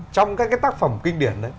trong các tác phẩm kinh điển